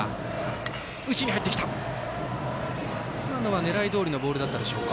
今のは狙いどおりのボールでしょうか。